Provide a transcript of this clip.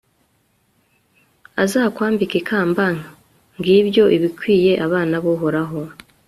azakwambike ikamba, ngibyo ibikwiye abana b'uhoraho